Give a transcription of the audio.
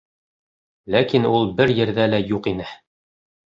Ләкин ул бер ерҙә лә юҡ ине.